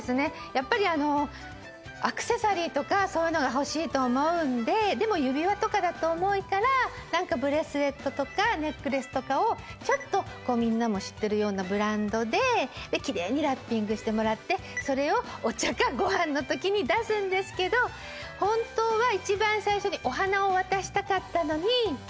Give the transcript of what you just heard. やっぱりあのアクセサリーとかそういうのが欲しいと思うのででも指輪とかだと重いからなんかブレスレットとかネックレスとかをちょっとみんなも知ってるようなブランドできれいにラッピングしてもらってそれをお茶かご飯の時に出すんですけど本当は一番最初にお花を渡したかったのに。